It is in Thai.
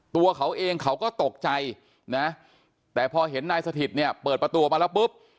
ตัวเค้าเองเค้าก็ตกใจแต่พอเห็นนายสถิตเปิดประตูมาแล้วปุ๊บ